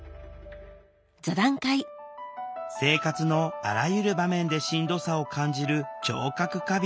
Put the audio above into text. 生活のあらゆる場面でしんどさを感じる聴覚過敏。